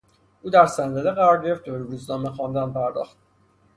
او در صندلی قرار گرفت و به روزنامه خواندن پرداخت.